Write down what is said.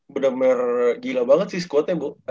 bener bener gila banget sih squadnya